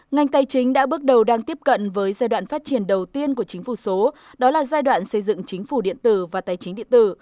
ngành tài chính đã bước đầu đang tiếp cận với giai đoạn phát triển đầu tiên của chính phủ số đó là giai đoạn xây dựng chính phủ điện tử và tài chính địa tử